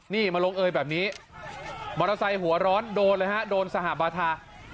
นี่มาลงเอยแบบนี้มอเตอร์ไซค์หัวร้อนโดนเลยฮะโดนสหบาทา